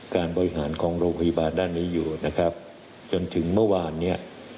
การบริหารของโรงพยาบาลด้านนี้อยู่นะครับจนถึงเมื่อวานเนี่ย